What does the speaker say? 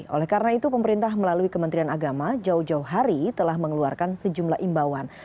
oleh karena itu pemerintah melalui kementerian agama jauh jauh hari telah mengeluarkan sejumlah imbauan